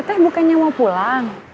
teh bukannya mau pulang